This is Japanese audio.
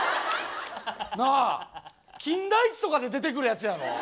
なあ「金田一」とかで出てくるやつやろ。